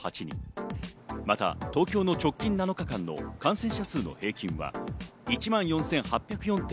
また東京の直近７日間の感染者数の平均は１万４８０４．９人。